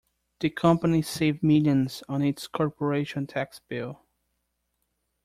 The company saved millions on its corporation tax bill.